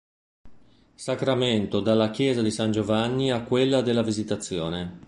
Sacramento dalla chiesa di San Giovanni a quella della Visitazione.